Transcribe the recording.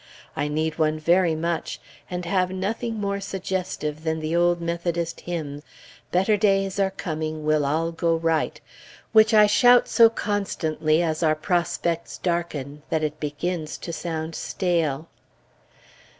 I need one very much, and have nothing more suggestive than the old Methodist hymn, "Better days are coming, we'll all go right," which I shout so constantly, as our prospects darken, that it begins to sound stale.